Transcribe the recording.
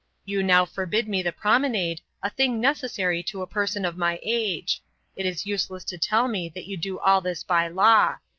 You now forbid me the promenade, a thing necessary to a person of my age. It is useless to tell me that you do all this by law.